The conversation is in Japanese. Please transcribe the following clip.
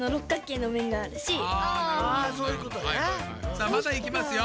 さあまだいきますよ。